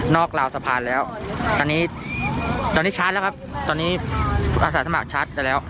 ราวสะพานแล้วตอนนี้ตอนนี้ชัดแล้วครับตอนนี้อาสาสมัครชัดไปแล้ว